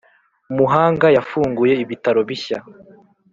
Muhanga yafunguye ibitaro bishya